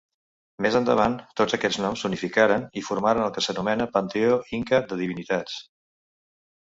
Més endavant, tots aquests noms s'unificaren i formaren el que s'anomena panteó inca de divinitats.